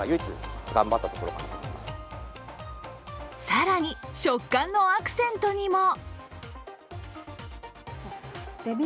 更に食感のアクセントにも。